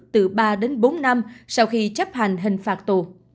từ ba đến bốn năm sau khi chấp hành hình phạt tù